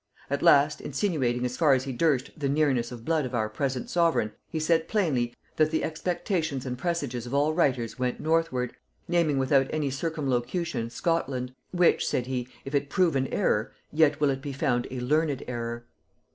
at last, insinuating as far as he durst the nearness of blood of our present sovereign, he said plainly, that the expectations and presages of all writers went northward, naming without any circumlocution Scotland; which, said he, if it prove an error, yet will it be found a learned error.